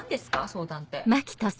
相談って。